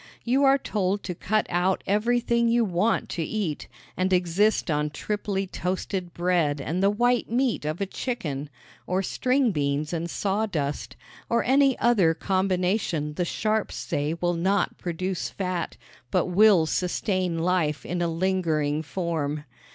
You are told to cut out everything you want to eat and exist on triply toasted bread and the white meat of a chicken, or string beans and sawdust, or any other combination the sharps say will not produce fat, but will sustain life in a lingering form.